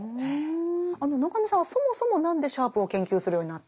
中見さんはそもそも何でシャープを研究するようになったんですか？